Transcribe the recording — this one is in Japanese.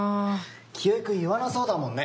清居君言わなそうだもんね